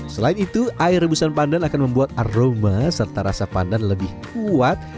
selain itu air rebusan pandan akan membuat aroma serta rasa pandan juga berwarna coklat pekat